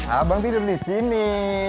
abang tidur disini